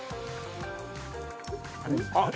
あっ。